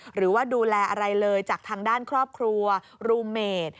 หรือว่าดูแลอะไรเลยจากทางด้านครอบครัวรูเมด